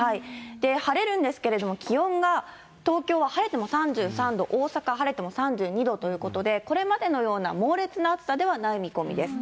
晴れるんですけれども、気温が、東京は晴れても３３度、大阪、晴れても３２度ということで、これまでのような猛烈な暑さではない見込みです。